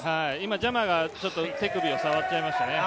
ジャマが手首を触っちゃいましたね。